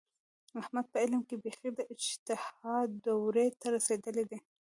احمد په علم کې بیخي د اجتهاد دورې ته رسېدلی دی.